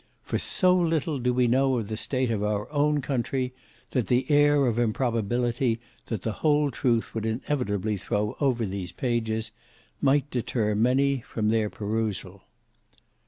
For so little do we know of the state of our own country that the air of improbability that the whole truth would inevitably throw over these pages, might deter many from their perusal.